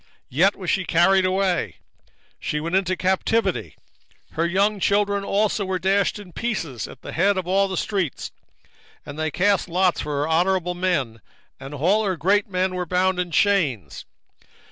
3:10 Yet was she carried away, she went into captivity: her young children also were dashed in pieces at the top of all the streets: and they cast lots for her honourable men, and all her great men were bound in chains.